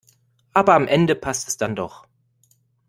Aber am Ende passt es dann doch.